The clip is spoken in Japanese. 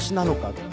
って？